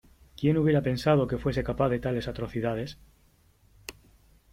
¿ Quién hubiera pensado que fuese capaz de tales atrocidades ?